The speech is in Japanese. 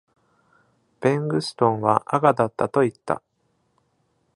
ベングストンは赤だったと言った。